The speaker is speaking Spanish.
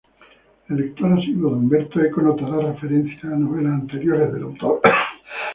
El lector asiduo de Umberto Eco notará referencias a novelas anteriores del autor.